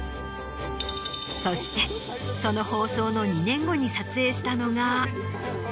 そしてその放送の２年後に撮影したのが。